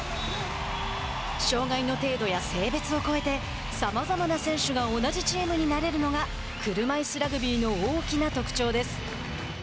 障害の程度や性別を超えてさまざまな選手が同じチームになれるのが車いすラグビーの大きな特徴です。